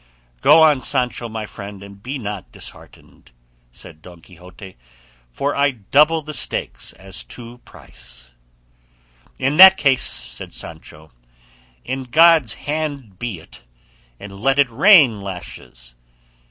"Go on, Sancho my friend, and be not disheartened," said Don Quixote; "for I double the stakes as to price." "In that case," said Sancho, "in God's hand be it, and let it rain lashes."